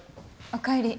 おかえり。